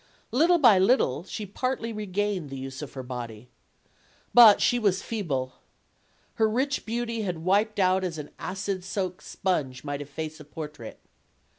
Little by little she partly regained the use of her body. But she was feeble. Her rich beauty was wiped out as an acid soaked sponge might efface a portrait.